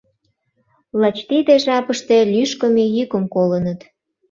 Лач тиде жапыште лӱшкымӧ йӱкым колыныт.